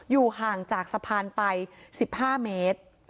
อยู่ห่างจากสะพานไป๑๕เมตร